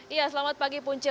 iya selamat pagi puncia